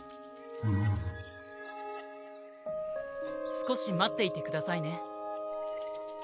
少し待っていてくださいね。